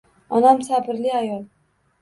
Onam sabrli ayol